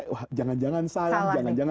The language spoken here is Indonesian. wah jangan jangan saya